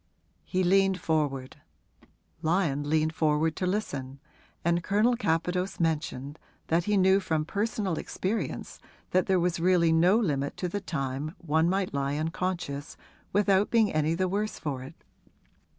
He leaned forward; Lyon leaned forward to listen, and Colonel Capadose mentioned that he knew from personal experience that there was really no limit to the time one might lie unconscious without being any the worse for it.